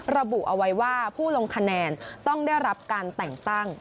ระบุเอาไว้ว่าผู้ลงคะแนนต้องได้รับการแต่งตั้ง